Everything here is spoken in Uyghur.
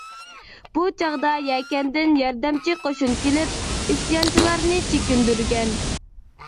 بۇ چاغدا يەكەندىن ياردەمچى قوشۇن كېلىپ، ئىسيانچىلارنى چېكىندۈرگەن.